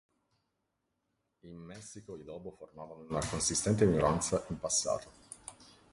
In Messico i Lobo formavano una consistente minoranza in passato.